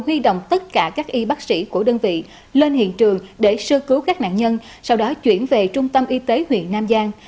huy động tất cả các y bác sĩ của đơn vị lên hiện trường để sơ cứu các nạn nhân sau đó chuyển về trung tâm y tế huyện nam giang